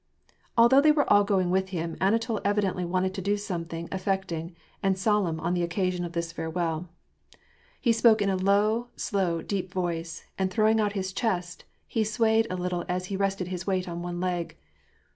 Although they were all going with him, Anatol evidently wanted to do something affecting and solemn on the occasion of this farewell. He spoke in a low, slow, deep voice, and, throwing out his chest, he swayed a little as he rested his weight on one leg.